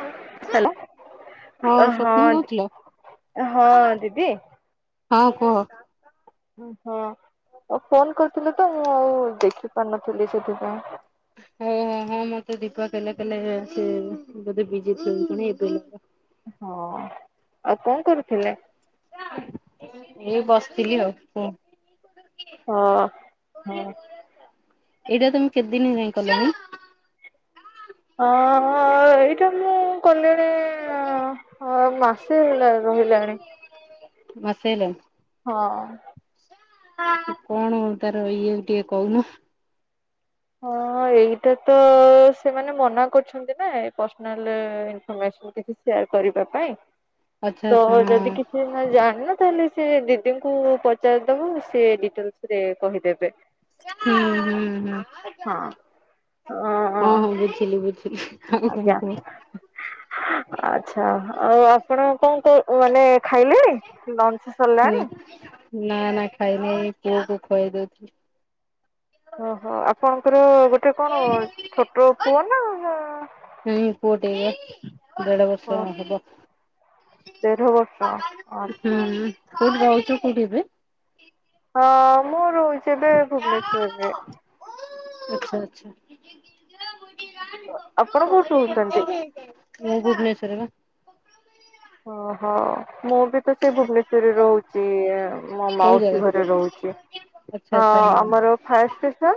ହ ହ୍ୟାଲୋ ହଁ ସ୍ୱପ୍ନ କହୁଥିଲ ହଁ ଦିଦି ହଁ କୁହ? ଓ ହୋ ହଁ ଆଉ ଫୋନ୍ କରିଥିଲ ତ ମୁଁ ଆଉ ଦେଖି ପାରିନଥିଲି ସେଥିପାଇଁ। ହଉ ହୋ ହଁ ମତେ ଦୀପା କଲେ କଲେ ବୋଧେ ବିଜଣି ଏବେ ହଁ ଆଉ କଣ କରୁଥିଲେ? ଏଇ ବସିଥିଲି ଆଉ ପୁ ହଁ ହଁ। ଏଇଟା ତମେ କେତେଦିନ ହେଲାଣି କଲଣିି? ହଁ- ଏଇଟା ମୁଁ କଲେଣି- ମାସେ ହେଲା ରହିଲାଣି। ବର୍ଷେ ହେଲାନି। ହଁ। କଣ ହ ତାର ଇଏ ଟିକେ କହୁନ? ହଁ ଏଇଟା ତ ସେମାନେ ମନା କରୁଛ କରିଚନ୍ତି ପ୍ରସନ୍ନାଲ୍ ଇନ୍ସଫେମେସ୍ ସେୟାର କରିବା ପାଇଁ। ଆଚ୍ଛା ତ ଆଚ୍ଛା ହଁ। ଯଦି କିଛି ଜାଣିନ ତାହେଲେ ସେ ଦିଦିଙ୍କୁ ପଚାରିଦବ ସେ ଡିଟେଲସ୍ ରେ କହିଦେବେ। ହୁଁ ହୁଁ ହୁଁ। ହଁ। ହଁ ଅ ହଁ ବୁଝିଲି ବୁଝିଲି ଆଉ କଣ ଆଜ୍ଞା କୁହ? ଆଚ୍ଛା ଆଉ ଆପଣ କଣ ମାନେ ଖାଇଲେଣି ଲଞ୍ଚ ସରିଲାଣି? ନାଁ ନାଁ ଖାଇନେଇ ଏଇ ପୁଅକୁ ଖୋଇଦଉଚି। ଓହୋ ଆପଣଙ୍କର ଗୋଟେ କଣ ଛୋଟ ପୁଅ ନାଁ ହୁଁ ପୁଅଟେ ଏଇବ ଦେଢ ବର୍ଷ ଓ ହବ। ହୁଁ ଦେଢ ବର୍ଷ ଆଚ୍ଛା। ତୁମେ ରହୁଚ କୋଉଠି ଏବେ? ହଁ ମୁଁ ରହୁଚି ଏବେ ଭୁବନେଶ୍ଵର ରେ। ଆଚ୍ଛା ଆଚ୍ଛା। ଆପଣ କୋଉଠି ରହୁଛନ୍ତି? ମୁଁ ଭୁବନେଶ୍ଵରେ ବା। ଓ ହୋ ମୁଁ ବି ତ ସେ ଭୁବନେଶ୍ଵରରେ ରହୁଚି, ମୋ କୋଉ ଜାଗା? ମାଉସୀ ଘରେ ରହୁଚି। ଆଚ୍ଛା ହଁ ଆଚ୍ଛା ଆମର ଫାୟାର ଷ୍ଟେସନ?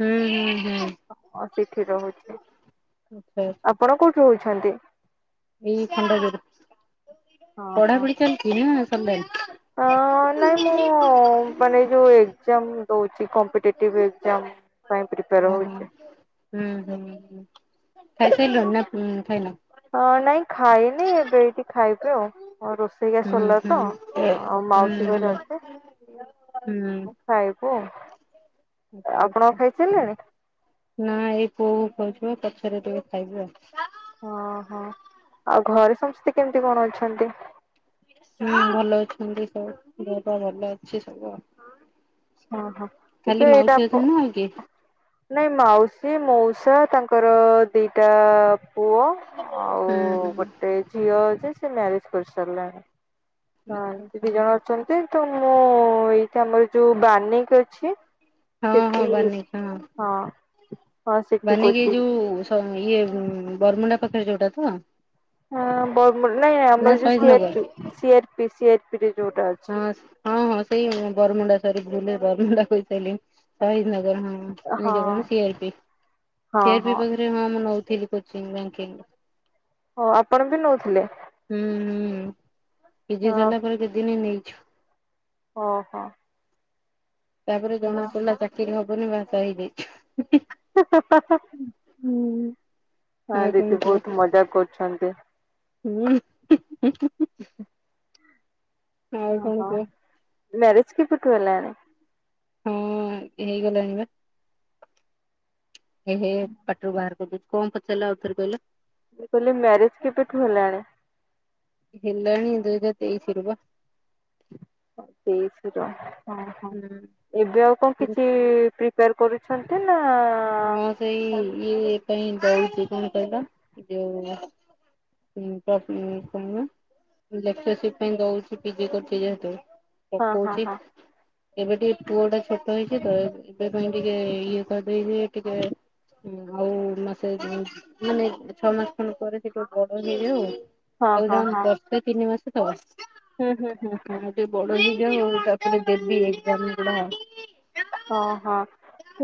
ହୁଁ ହୁଁ ହୁଁ। ହଁ ସେଠି ରହୁଚି। ଆଚ୍ଛା ଆଚ୍ଛା। ଆପଣ କୋଉଠି ରହୁଚନ୍ତି? ଏଇ ଖଣ୍ଡଗିରି। ହଁ ପଢାପଢି ଚାଲିଛି ନା ସରିଲାଣି। ଅ ନାଇଁ ମୁଁ ମାନେ ଯୋଉ ଓହୋ ଏକଜା୍ମ ଦଉଛି, କମ୍ ଟେଟିଭ ଏକ୍ଜା୍ମ। ଓ ହୋ ହୁଁ ହୁଁ ହୁଁ, ଖାଇସାରିଲଣି ନା ଖାଇନ। ହଁ ନାଇଁ ଖାଇନି, ଏବେ ଏଇଠି ଖାଇବି ଆଉ। ହଁ ରୋଷ ଏଇଆ ହୁଁ ସରିଲା ହୁଁ ହୁଁ ତ, ହୁଁ। ଆଉ ମାଉସୀ ଘରେ ହୁଁ ଅଛି। ହଁ ଖାଇବୁ। ଆଚ୍ଛା ଆପଣ ଆଚ୍ଛା ଖାଇସାରିଲେଣି? ନା ଏଇ ପୁଅକୁ ଖୁଆଉଛି ପା, ପଛରେ ଟିକେ ଖାଇବୁ ଆଉ। ଅ ହ, ଆଉ ଘରେ ସମସ୍ତେ କେମିତି କଣ ଅଛନ୍ତି? ହୁଁ ଭଲ ଅଛନ୍ତି ସବୁ, ଦେହ ପା ଭଲ ଅଛି ସବୁ ଆଉ। ହଁ ହଁ ଏବେ ଖାଲି ଏଇଟା ମାଉସୀ ଆପ ଅଛନ୍ତି ନା ଆଉ କିଏ? ନାଇଁ ମାଉସୀ ମଉସା ତାଙ୍କର ଦିଟା ପୁଅ ଆଉ ହୁଁ ହୁଁ ଗୋଟେ ଝିଅ ଅଛି, ସେ ମ୍ୟାରେଜ କରିସାରିଲାଣି। ହଁ ଆଚ୍ଛା ସେ ଦି ଜଣ ଆଚ୍ଛା। ଅଛନ୍ତି, ତ ମୁଁ ଏଇଠି ଆମର ଏ ଯୋଉ ବାନିକ୍ ଅଛି। ହଁ ହଁ ସେଠି ବାନିକି ହଁ। ହଁ ସେଠି ବାନିକି ଏ କୋଚିଂ ଯୋଉ ସ ଇଏ ବରମୁଣ୍ଡା ପାଖରେ ଯୋଉଟା ତ। ହଁ ବରମୁ ନାଇଁ ନା ଆମର ଯୋଉ ଶହୀଦନଗର ସିଆରପି, ସିଆରପି, ସିଆର୍ ହଁ। ହଁ ହଁ ସେଇ ବରମୁଣ୍ଡା, ସରି ଭୁଲରେ ବରମୁଣ୍ଡା କହିସାଇଲିଣୀ, ଶହୀଦନଗର ହଁ। ଏଇ ହଁ ଯୋଉ କଣ ସିଆରପି। ସିଆରପି ପାଖରେ ହଁ ମୁଁ ନଉଥିଲି କୋଚିଂ ବ୍ୟାଙ୍କିକ୍ ର। ହ ଆପଣ ବି ନଉଥିଲେ? ହୁଁ ହୁଁ, ପିଜି ହଁ ସାରିଲା ପରେ କେତେଦିନ ନେଇଛୁ। ଓହୋ। ତାପରେ ଜଣା ପଇଲା ଚାକିରି ହବନି, ବା ସା ହେଇଯାଇଛୁ। ହାଁ ହାଁ। ହୁଁ। ହଁ ଦିଦି ବହୁତ ମଜାକ୍ କରୁଛନ୍ତି। ହୁଁ। [inaudible] ଆଉ ଅ କଣ ହ, କୁହ ମ୍ୟାରେଜ କେବେଠୁ ହେଲାଣି? ହୁଁ ହେଇଗଲାଣି ବା। ଏ ହେ ପାଟିରୁ ବାହାରକରିଦଉଛି। କ ପଚାରିଲ ଆଉଥରେ କହିଲ? ମୁ କହିଲି ମ୍ୟାରେଜ କେବେଠୁ ହେଲାଣି? ହେଲାଣି ଦୁଇ ହଜାର ତେଇଶିରୁ ବା। ହଁ ତେଇଶିରୁ, ହଁ ହଁ। ହୁଁ। ଏବେ ଆଉ କଣ କିଛି ପ୍ରି ପାର କରୁଛନ୍ତି ନା ହଁ ସେଇ ଇଏ ପାଇଁ ଦଉଛି, କଣ କହିଲ, ଯଉ [unintelligible] ଲେକ୍ଚରସିପ୍ ପାଇଁ ଦଉଛି, ପିଜି କରୁଛି ଯେହେତୁ। ହଁ ହଁ ପକଉଛି। ହଁ ଏବେ ଟିକେ ପୁଅ ଟା ଛୋଟ ହେଇଛି ତ, ଏବେ ପାଇଁ ଟିକେ ଇଏ କରିଦେଇ ଟିକେ? ହଁ ଆଉ ମାସେ ମାନେ ଛଅ ମାସ ଖଣ୍ଡ ପରେ ସେଠୁ ବଡ ହେଇଯାଉ ଆଉ? ହଁ ଉ ହଁ ହଁ ବର୍ଷେ ତିନି ମାସ ତ [inaudible] ହୁଁ ହୁଁ ହୁଁ ହୁଁ। ଟିକେ ବଡ ହେଇଯାଉ, ତାପରେ ଦେବି ଏକଜାମ ଗୁଡା। ଓଁ ହଁ।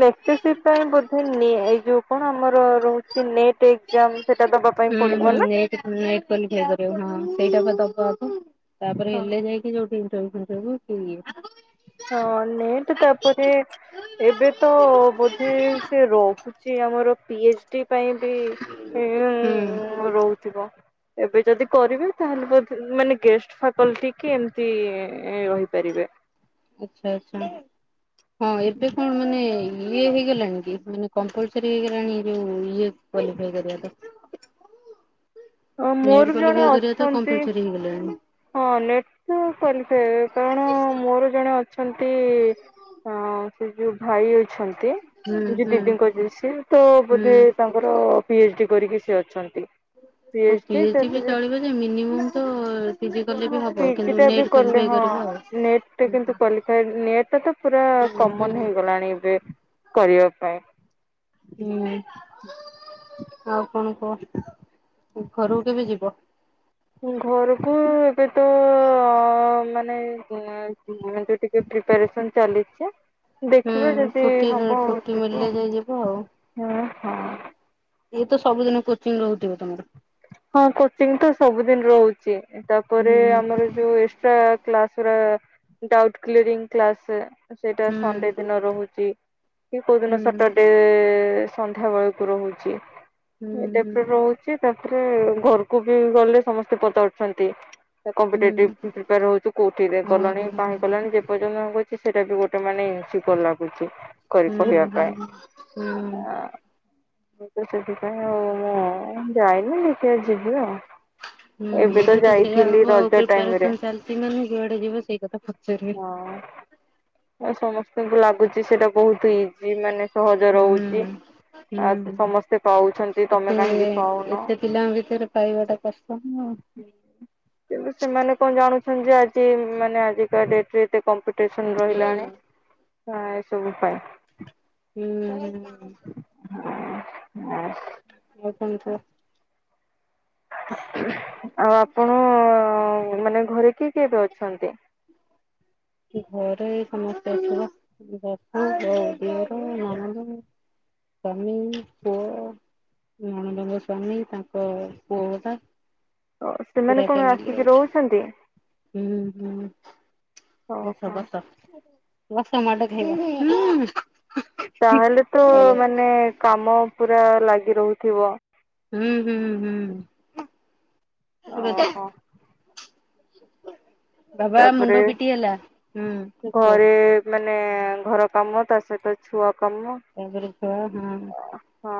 ଲେକ୍ଚରସିପ ପାଇଁ ବୋଧେ ନିଏ ଯୋଉ କଣ ଆମର ରହୁଛି ନେଟ୍? ଏଜାମ ସେଟା ଦବା ପାଇଁ ପଡିବ ନା। ନ କ ଠିଆ କରିବ ହଁ ସେଇଟା ଦବା ଆ ତ ତାପରେ ହଁ ହେଲେ ଯାଇକି? [unintelligible] ହଁ ନେଟ ତାପରେ? ଏବେ ତ ବୋଧେ ସେ ରହୁ? ସେ ଆମର ପି ଏଚ ଡି ପାଇଁ ବି [inaudible] ହୁଁ ମାନେ ରହୁଥିବ। ଏବେ ଯଦି କରିବେ ତାହେଲେ ମାନେ ଗେଷ୍ଟ ଫାକଲଟି କି ଏମିତି ରହିପାରିବେ। ଆଛା ଆଛା, ହଁ ଏବେ କଣ ମାନେ? ଇଏ ହେଇଗଲାଣି କି, ମାନେ କମ୍ପଲସରି ହେଇଗଲାଣି ଯୋଉ ଇଏ ବହି ପାଇଁ ଯେହେତୁ? ମୋର ନେଟ ଜଣେ [unintelligible] ଅଛନ୍ତି କମ୍ପାଲସରି ହେଇଗଲାଣି। ହଁ, ନେଟ ତ କରିଥାଏ କାରଣ ମୋର ଜଣେ ଅଛନ୍ତି। ଅ ସେ ଯୋଉ ଭାଇ ଅଛନ୍ତି, ହୁଁ ଯୋଉ ହୁଁ ଦିଦିଙ୍କ ଜ ତ ହୁଁ। ବୋଧେ ତାଙ୍କ? ତାଙ୍କର ପିଏଚ ଡି କରିକି ସେ ଅଛନ୍ତି ପି ହଁ ପି ଏଚ ଏଚ୍ ଡି ବି ତାପ ରେ? ଚଳିବ ମିନିମମ୍ ତ? ପିଜି କଲେ ହଁ ବି ହବ ପିଜି କିନ୍ତୁ ଟା ବି ନେଟ୍ କଲେ କ୍ୱାଲିଫାଇ ହଁ କରିବ ଆଉ। ନେଟ ହୁଁ କିୁ କଲିଥାଏ ନେଟ୍ ତ-? - ପୁରା ହୁଁ କମନ ହୁଁ ହେଇଗଲାଣି ଏବେ, କରିବା ପାଇଁ। ହୁଁ ଆଉ କଣ କୁହ? ଘରକୁ କେବେ ଯିବ? ଘରକୁ ଏବେ ତ? ମାନେ ଯ ଟିକେ ପ୍ରିପାରେସନ ଚାଲିଛି। ହୁଁ ଦେଖିବେ ଯଦି ଛୁଟି ହବ ଆଉ ଛୁଟି ଯିବ, ମିଳିଲେ ଯାଇ ଯିବ ହୁଁ ହଁ? ମୁତ ସବୁଦିନ କୋଚିଂ ରହୁଥିବ ତମର? ହଁ କୋଚିଂ ତ ସବୁଦିନ ରହୁଛି, ତାପରେ ହୁଁ ଆମର ଯୋଉ ଏକ୍ସଟ୍ରା? କ୍ଳାସ ଗୁରା, ଡାଉଟ କ୍ଲିଅରିଙ୍ଗ କ୍ଳାସରେ। ସେଇଟା ହୁଁ ସଣ୍ଡେ ଦିନ ରହୁଛି, କି କୋଉ ଦିନ ହୁଁ ସେ୍ଟୁର୍ଦୟ। ସନ୍ଧ୍ୟା ବେଳକୁ ରହୁଛି ହୁଁ ହୁଁ [unintelligible] ତାପରେ ଘରକୁ ବି ଗଲେ ସମସ୍ତେ ପଚାରୁୁଛନ୍ତି। କମ୍ପିଟେଟିଭ ହୁଁ ପ୍ରିପୟାର ହଉଛୁ, କୋଉଠିରେ ଗଲେଣି ହଁ କାହିଁ ହଁ। କଲାଣି ଯେ ପର୍ଯ୍ୟନ୍ତ ଆ -? - ସେଟା ବି ଗୋଟେ ମାନେ ଶଖ ଲାଗୁଛି କରି ହୁଁ କହିବା ପାଇଁ ହୁଁ ହୁଁ ଆ? ମୁଁ ତ ସେଥି ପାଇଁ ଆଉ ମୁଁ ଯାଇନି, ଦେଖିଆ ଯିବି ଆଉ। ହୁଁ, ଏବେ ତ ସେୟଆ ଯାଇଥିଲି ହବ ଆଉ, ରଜ ଟାଇମ ରେ ପ୍ରିପାରେସନ ଚାଲିଛି ମାନେ ଯୁଆଡେ ଯିବ ସେଇ କଥା ପଚାରିବେ। ଆଁ ସମସ୍ତଙ୍କୁ ଲାଗୁଛି ସେଇଟା ବହୁତ ଏଜ? ମାନେ ସହଜ ରହୁଛି ହୁଁ। ଆ ହୁଁ ସମସ୍ତେ ପାଉଛନ୍ତି ଏତେ ତମେ କାହିଁକି -,? - ଏତେ ପିଲାଙ୍କ ଭିତରେ ପାଇବା ଟା କଷ୍ଟ ହବ। ଏବେ ସେମାନେ କଣ ଜାଣୁଛନ୍ତି ଯେ ଆଜି ମାନେ ଆଜିକା ଡେଟରେ କମ [inaudible] ଟେନସନ ହୁଁ ରହିଲାଣି ପ୍ରୟ ଏସବୁ ପାଇଁ? ହୁଁ ଉ ଉ ଉ? ହଁ ହଁ [inaudible] ଆଉ କଣ କୁହ? ଆଉ ଆପଣ ମାନେ ଘରେ କିଏ କିଏ ଏବେ ଅଛନ୍ତି? ଘରେ ଏ ସମସ୍ତେ ଅଛୁ ପା ବାପା, ଦିଅର, ନଣନ୍ଦ। ସ୍ୱାମୀ, ପୁଅ ନଣନ୍ଦ ଙ୍କ ସ୍ଵାମୀ ତାଙ୍କ ପୁଅଟା ଓ ସେମାନେ ପୁରା କଣ ଫ୍ୟାମିଲୀ ଆସିକି ରହୁଛନ୍ତି? ଅଛୁ। ହୁଁ ହୁଁ ବସ ଓହୋ ବସ ବସ ମାଡ ଖାଇବ। ହୁଁ ତାହେଲେ ତ ପଳେଇ ଆସ। ମାନେ କାମ ପୁରା ଲାଗି ରହୁଥିବ ହୁଁ, ହୁଁ, ହୁଁ। ଓହୋ ବାବା ତାପରେ ମୁଣ୍ଡ ପିଟି ହେଲା। ହୁଁ କୁହ ଘରେ ମାନେ ଘର କାମ ତା ସହିତ ଛୁଆ କାମ ତାପରେ ଛୁଆ ହଁ ହଁ।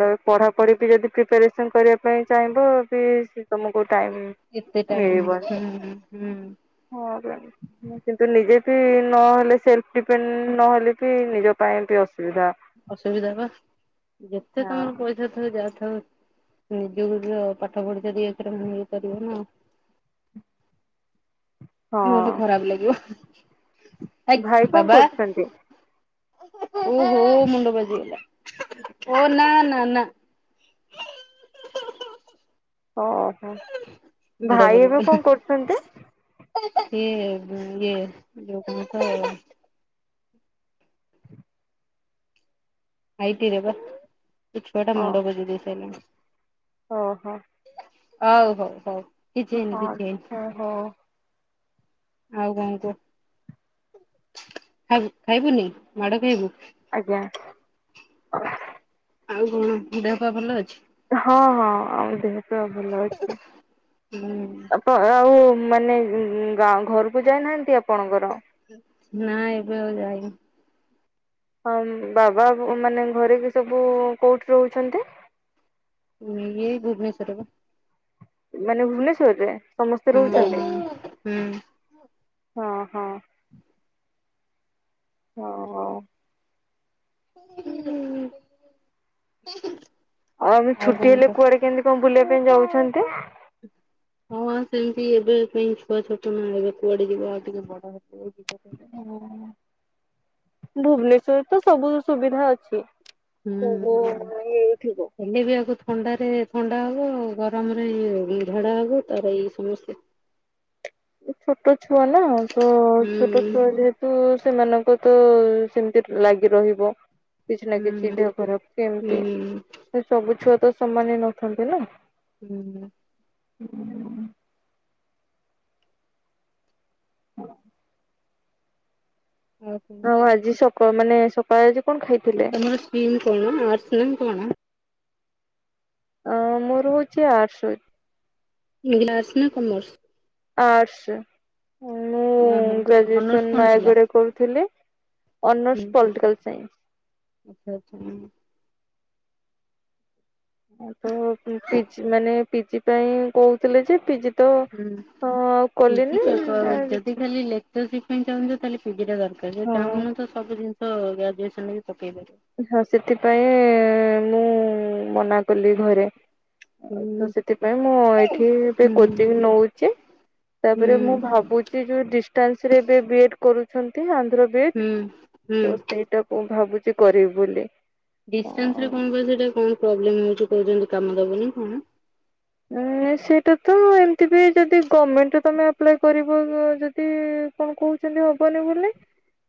ତାପରେ ପଢାପଢି ବି ଯଦି ପ୍ରିପାରେସନ କରିବା ପାଇଁ ଚାହିଁବ ବି ତମକୁ ଟାଇମ ଏତେ ଟାଇମ ନାହିଁ ମିଳିବନି ହୁଁ ହୁଁ ହ କିନ୍ତୁ ନିଜେ ବି ନହେଲେ ସେଲ୍ଫ ଡିପେଣ୍ଡ ନହେଲେ ବି ନିଜ ପାଇଁ ବି ଅସୁବିଧା ଅସୁବିଧା ପା। ଯେତେ ହଁ ତମର ପଇ ଥାଉ ଯାଇଥାଉ ନିଜକୁ ପାଠ ପଢିଚ ଦିରେ ଅକ୍ଷର ନେଇଇପାରିବ ନା ମୋତ ହଁ ଖରାପ ଲାଗିବ। ଭାଇ ଏଇକ୍ କଣ ବାବା କରୁଛନ୍ତି ଓହୋ ମୁଣ୍ଡ ବାଜିଗଲା ଓ ନା ନା ନା ଓହୋ। ମୁଣ୍ଡ ଭାଇ ଏବେ ଙ୍କ ବୁଲେଇଦେଲା କରୁଛନ୍ତି? ସିଏ ଇଏ ଯୋଉ କଣ୍ ତ? ଆଇଟରେ ବା ଏ ଛୁଆ ଟା ଓ ମୁଣ୍ଡ ବଜେଇ ଦେଇ ସାଇଲାନି। ଓହୋ ହଉ ହଉ ହଉ କିଛି ହେଇନି ହଁ କିଛି ହେଇନି ଓହୋ ଆଉ ଙ୍କ କୁହ ଖାଇବୁ ଖାଇବୁନି ମାଡ ଖାଇବୁ ଆଜ୍ଞା ଆଉ କଣ? ଦେହ ପା ଭଲ ଅଛି ହଁ, ହଁ ଆମ ଦେହ ପୁରା ଭଲ ଅଛି। ହୁଁ ତାପ ଆଉ ମାନେ ଗାଁ ଘରୁକୁ ଯାଇନାହାନ୍ତି ଆପଣଙ୍କର ନାଁ ଏବେ ଆଉ ଯାଇନୁ ହଁ ବାବା ମାନେ ଘରେ କି ସବୁ କୋଉଠି ରହୁଛନ୍ତି? ଏ ଭୁବୁନେଶ୍ୱର ବା ମାନେ ଭୁବନେଶ୍ଵରରେ ସମସ୍ତେ ହଁ ରୋ ହଁ ହୁଁ। ହଁ ହଁ ହ ହଉ [unintelligible] ଆଉ ଆମେ ଛୁଟି କଣ ହେଲେ କହ କୁଆଡେ କେମିତି ଙ୍କ ବୁଲିବା ପାଇଁ ଯାଉଛନ୍ତି ହଁ ଆଉ ସେମିତି ଏବେ ପାଇଁ ଛୁଆ ଛୋଟ ନା ଏବେ କୁଆଡେ ଯିବ ଆଉ ଟିକେ ବଡ ହେଲେ ଯିବ। [inaudible] ଭୁବନେଶ୍ଵରରେ ତ ସବୁ ସୁବିଧା ଅଛି ହୁଁ ସବୁ ହୁଁ। ଇଥିବ ହେଲେ ବି ଆକୁ ଥଣ୍ଡାରେ ଥଣ୍ଡା ହବ ଆଉ ଗରମରେ ଝାଡା ହବ ତାର ଏଇ ସମସ୍ୟା ଛୋଟା ଛୁଆ ନା ତ ଛୋଟ ହୁଁ ଛୁଆ ଯେହେତୁ ତ ସେମାନଙ୍କ ତ ସେମିତି ଲାଗି ରହିବ। କିଛି ନା କିଛି ହୁଁ ଦେହ ଖରାପ ହୁଁ କେମିତି ସବୁ ଛୁଆ ତ ସମାନ ନଥାନ୍ତି ନା। ହୁଁ ହୁଁ [inaudible] କଣ ଆଉ କୁହ? ଆଜି ସକ ମାନେ ସକାଳେ ଆଜି କଣ ଖାଇଥିଲେ? [unintelligible] ଅ ମୋର ହଉଛି ଆର୍ଟ୍ସ ଆର୍ଟ୍ସ ନା କମର୍ସ। ଆର୍ଟସ୍ ମୁଁ ଓହୋ ଅନର୍ସ ଗ୍ରାଜୁଏସନ କଣ ଥିଲା? ନୟାଗଡ଼ରେ କରୁଥିଲି। ହୁଁ ଅନର୍ଷ ପଲିଟିକାଲ ସାଇନ୍ସ। ଆଚ୍ଛା ଆଚ୍ଛା। ତ ପିଜି ମାନେ ପିଜି ପାଇଁ କହୁଥିଲେ ଯେ ପିଜି ତ ହଁ ଆଉ ହୁଁ କଲିନି ଯଦି ଖାଲି ଲେ ଯଉ ସେଥିପାଇଁ ଚାହୁଁଛ ତାହେଲେ ପିଜି ଟା ଦରକାର ଯଉ ଚାହୁଁନ ହଁ ତ ସବୁ ଜିନିଷ ଗ୍ରାଜୁଏସନରେ ବି ପକେଇ ପାରିବ। ହଁ ସେଥିପାଇଁ ମୁଁ ମନା କଲି ଘରେ। ଆ ତ ହୁଁ ସେଥିପାଇଁ ମୁଁ ଏଇଠି ବି ହୁଁ କୋଚିଂ ନଉଛି ହୁଁ ତାପରେ ମୁଁ ଭାବୁ ଯୋଉ ଡିଷ୍ଟାନ୍ସ ରେ ଏବେ ବି ଏଡ୍ କରୁଛନ୍ତି ଆନ୍ଧ୍ର ବି ହୁଁ ହୁଁ ତ ସେଇଟାକୁ ଭାବୁଛି କରିବି ବୋଲି ଡିଷ୍ଟାନ୍ସ ହଁ ରେ କଣ କ ସେଟା କଣ ପ୍ରୋବ୍ଲେମ ହଉଛି କହୁଛନ୍ତି କାମ ଦବନି କଣ। ସେଇଟା ତ ଏମିତି ବି ଯଦି ଗଭର୍ଣମେଣ୍ଟରେ ତମେ ଆପ୍ଲାଏ କରିବ ଯଦି କଣ କହୁଛନ୍ତି ହବନି ବୋଲି।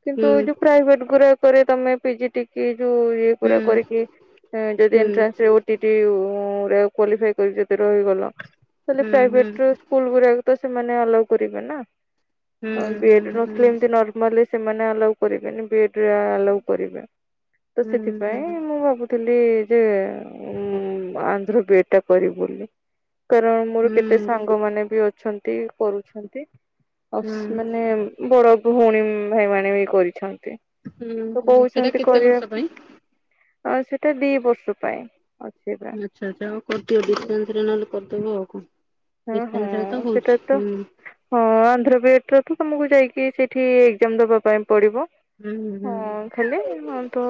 କିନ୍ତୁ ହୁଁ ଯୋଉ ପ୍ରାଇଭେଟ ଗୁଡାକରେ ତମେ ପିଜି ଟି କି ଯୋଉ [unintelligible] ହୁଁ ରହିଗଲ ହୁଁ ତାଲେ ହୁଁ ପ୍ରାଇଭେଟ ହୁଁ ସ୍କୁଲ ଗୁଡା ତ ସେମାନେ ଆଲାଓ କରିବେ ନା। ହୁଁ ବିଏଡ ହୁଁ ହୁଁ ନଥିଲେ ଏମତି ନର୍ମାଲି ସେମାନେ ଆଲାଓ କରିବେନି। ଆଲାଓ କରିବେ ତ ହୁଁ ହୁଁ ସେଥିପାଇଁ ମୁଁ ଭାବୁଛି ଥିଲି ଯେ ଆନ୍ଧ୍ର ବି ଏଡ ଟା କରିବି ବୋଲି। କାରଣ ମୋର ହୁଁ କେତେ ସାଙ୍ଗ ମାନେ ବି ଅଛନ୍ତି କରୁଛନ୍ତି ଆ ହୁଁ ହୁଁ ମାନେ ବଡ ଭଉଣୀ ଭାଇ ମାନେ ବି କରିଛନ୍ତି ତ ହୁଁ ସେଟା କହୁଛନ୍ତି କେତେ ବର୍ଷ ପାଇଁ? କରିବାକୁ। ହଁ ସେଇଟା ଦି ବର୍ଷ ପାଇଁ। ଅଛି ଏକା। ଆଚ୍ଛା ଆଛା ଆଉ କରିଦିଅ ଦିଷ୍ଟାନସ ରେ ନହେଲେ କରିଦବ ଆଉ କଣ। ହଁ ହଁ ଡିଷ୍ଟାନ୍ସ ରେ ତ ହଉଛି ସେଟା ତ ହୁଁ ହଁ ଆନ୍ଧ୍ରପ୍ରେଟର ତ ତୁମକୁ ଯାଇକି ସେଇଠି ଏକ୍ଜାମ ଦେବା ପାଇଁ ପଡ଼ିବ। ହୁଁ ହୁଁ ହେଲେ ତ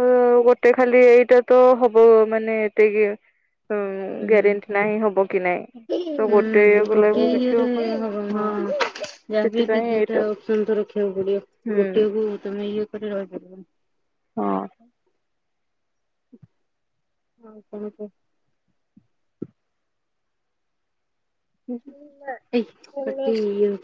ଗୋଟେ ଖାଲି ଏଇଟା ତ ହବ ମାନେ ଏତେ କି ହଁ ହୁଁ ହୁଁ ଗ୍ୟାରେଣ୍ଟି ନାହିଁ ହବ କି ନାଇଁ ତ ଗୋଟେ ଟେଇବାକୁ ଗୋଟିଏ ଲାଗୁ କିଛି ଇଏରେ ହବନି ହବ ହଁ। ଯାହାବି ସେଥିପାଇଁ ଦିଟା ଏଇଟା ଅପସନ୍ ତ ରଖିବାକୁ ପଡିବ ହୁଁ ଗୋଟିଏକୁ ତମେ ଇଏ କରି ରହିପାରିବନି। ହଁ ଆଉ କଣ କୁହ? ହଁ। [unintelligible]